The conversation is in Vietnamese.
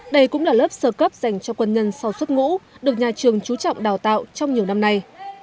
đây cũng là lớp sơ cấp dành cho quân nhân sau xuất ngũ được nhà trường trú trọng đào tạo trong nhiều năm nay